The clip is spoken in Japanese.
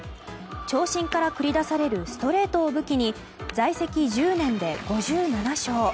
長身から繰り出されるストレートを武器に在籍１０年で５７勝。